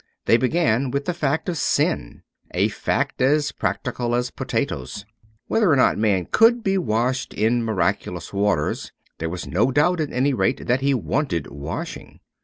They began with the fact of sin — a fact as practical as potatoes. Whether or not man could be washed in miraculous waters, there was no doubt at any rate that he wanted washing.